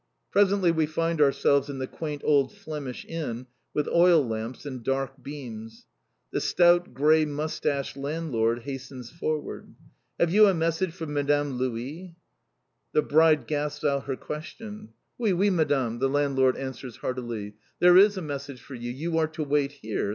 Presently we find ourselves in the quaint old Flemish Inn with oil lamps and dark beams. The stout, grey moustached landlord hastens forward. "Have you a message for Madame Louis." The bride gasps out her question. "Oui, Oui, Madame!" the landlord answers heartily. "There is a message for you. You are to wait here.